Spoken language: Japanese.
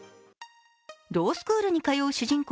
ロースクールに通う主人公